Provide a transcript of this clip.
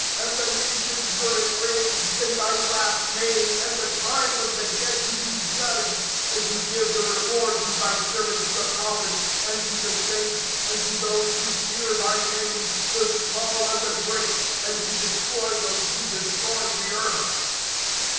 (18)And the nations were enraged, and thy wrath came, and the time of the dead to be judged, and to give the reward to thy servants the prophets, and to the saints, and to those who fear thy name, the small and the great; and to destroy those who destroy the earth.